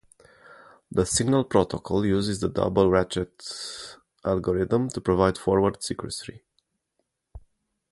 The Signal Protocol uses the Double Ratchet Algorithm to provide forward secrecy.